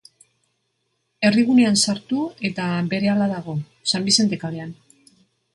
Herrigunean sartu eta berehala dago, San Bizente kalean.